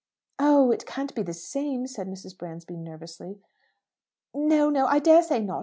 "Oh, it can't be the same!" said Mrs. Bransby, nervously. "No, no; I dare say not.